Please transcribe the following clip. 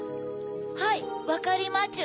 はいわかりまちゅ。